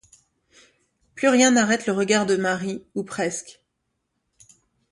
Plus rien n'arrête le regard de Marie ou presque.